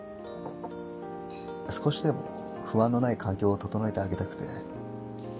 少しでも不安のない環境を整えてあげたくて。